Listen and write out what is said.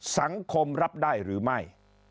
สังคมรับได้หรือไม่